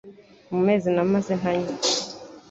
Mu mezi namaze ntanywa